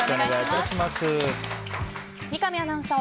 三上アナウンサー